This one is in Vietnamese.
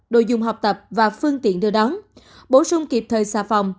đồ dùng học tập và phương tiện đưa đón bổ sung kịp thời xà phòng